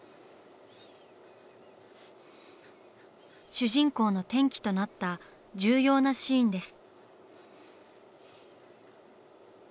主人公の転機となった重要なシーンです。